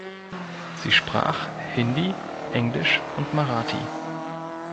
Sie sprach Hindi, Englisch und Marathi.